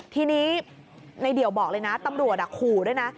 ทีนี้ในเดี่ยวบอกเลยนะตำรวจขู่ด้วยนะ